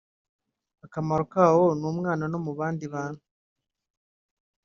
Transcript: akamaro ka wo ku mwana no mu bandi bantu